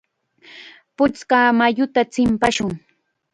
Puchka mayutam chimpashun.